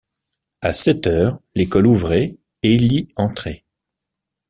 À sept heures, l’école ouvrait et il y entrait.